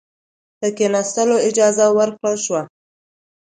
د کښېنستلو اجازه ورکړه شوه.